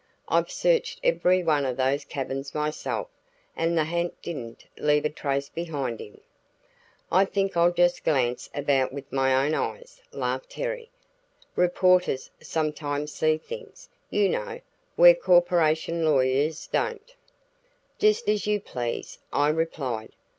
"I've searched every one of those cabins myself and the ha'nt didn't leave a trace behind him." "I think I'll just glance about with my own eyes," laughed Terry. "Reporters sometimes see things, you know, where corporation lawyers don't." "Just as you please," I replied.